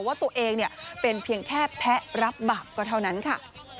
ว่าตัวเองเป็นเพียงแค่แพ้รับบาปก็เท่านั้นค่ะ